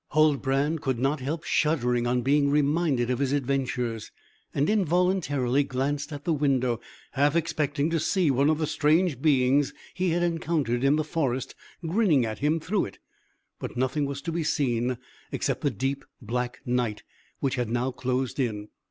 Huldbrand could not help shuddering on being reminded of his adventures, and involuntarily glanced at the window, half expecting to see one of the strange beings he had encountered in the forest grinning at him through it; but nothing was to be seen except the deep black night, which had now closed in.